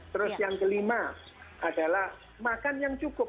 terus yang kelima adalah makan yang cukup